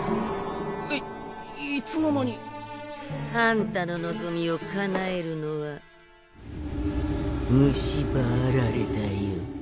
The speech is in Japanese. いいつの間に。あんたの望みをかなえるのは「虫歯あられ」だよ。